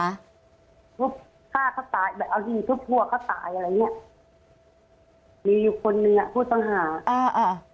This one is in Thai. ฆ่าเขาตายแบบเอาจริงทุกพวกเขาตายอะไรอย่างนี้มีคนเนื้อผู้ต้องหา